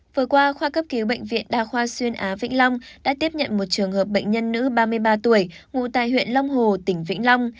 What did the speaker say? vừa qua khoa cấp cứu bệnh viện đa khoa xuyên á vĩnh long đã tiếp nhận một trường hợp bệnh nhân nữ ba mươi ba tuổi ngụ tại huyện long hồ tỉnh vĩnh long